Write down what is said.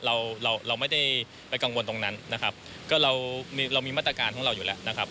เราเราไม่ได้ไปกังวลตรงนั้นนะครับก็เรามีมาตรการของเราอยู่แล้วนะครับ